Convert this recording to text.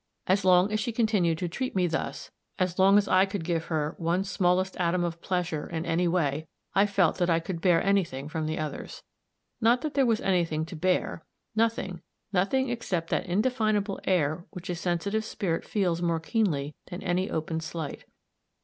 As long as she continued to treat me thus, as long as I could give her one smallest atom of pleasure in any way, I felt that I could bear any thing from the others. Not that there was any thing to bear nothing nothing, except that indefinable air which a sensitive spirit feels more keenly than any open slight.